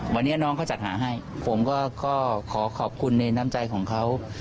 วันนี้น้องเขาจัดหาให้ผมก็ขอขอบคุณในน้ำใจของเขา